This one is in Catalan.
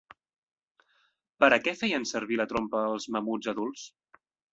Per a què feien servir la trompa els mamuts adults?